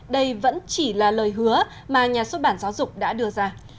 đây vẫn chỉ là lời hứa mà nhà xuất bản giáo dục đã đưa ra